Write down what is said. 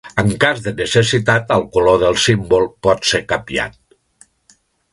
En cas de necessitat el color del símbol pot ser canviar.